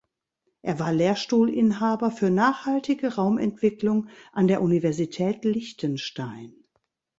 Er war Lehrstuhlinhaber für Nachhaltige Raumentwicklung an der Universität Liechtenstein.